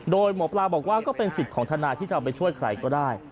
โดยหมอปลาบอกว่าก็เป็นสิทธิ์ของทนายที่จะไปช่วยใครก็ได้